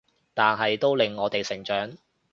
但係都令我哋成長